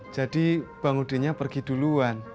jadi bang udinya pergi duluan